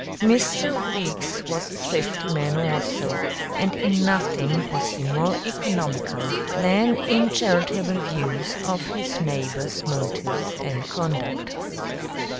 Mr. Weeks was a thrifty man also, and in nothing was he more economical than in charitable views of his neighbors' motives and conduct.